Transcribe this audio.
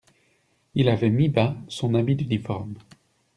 Il avait mis bas son habit d'uniforme.